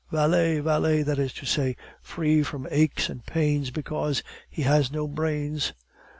Valet! valet, that is to say, free from aches and pains, because he has no brains."